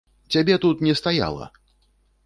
Цябе тут не стаяла.